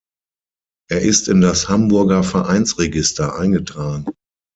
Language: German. Er ist in das Hamburger Vereinsregister eingetragen.